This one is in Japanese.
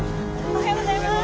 おはようございます。